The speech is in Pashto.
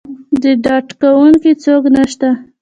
د ډاډکوونکي څوک نه شته.